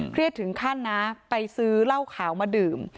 ถึงขั้นนะไปซื้อเหล้าขาวมาดื่ม